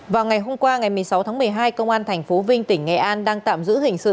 vào ngày hôm qua ngày một mươi sáu tháng một mươi hai công an tp vinh tỉnh nghệ an đang tạm giữ hình sự